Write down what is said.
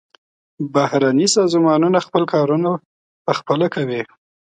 بهرني سازمانونه خپل کارونه پخپله کوي.